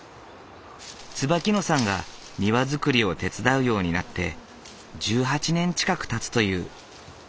椿野さんが庭造りを手伝うようになって１８年近くたつという。